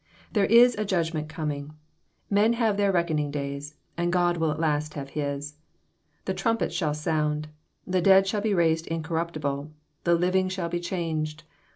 There is a judgment coming I Men have their reckon ing days, and God will at last have His. The trumpet shall sound. The dead shall be raised incormptiblet The living shall be changed.